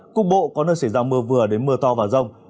cục bộ có nơi xảy ra mưa vừa đến mưa to và rông